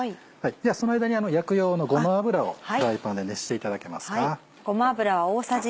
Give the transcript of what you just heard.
その間に焼く用のごま油をフライパンで熱していただけますか。